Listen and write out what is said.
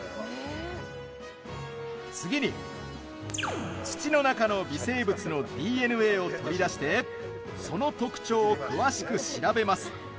次に、土の中の微生物のＤＮＡを取り出してその特徴を詳しく調べます。